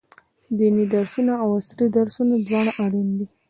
ديني درسونه او عصري درسونه دواړه اړين دي.